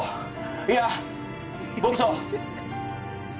いや僕と。